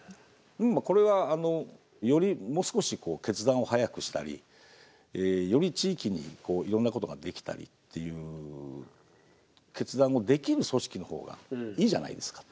これはあのよりもう少し決断を早くしたりより地域にこういろんなことができたりっていう決断をできる組織の方がいいじゃないですか。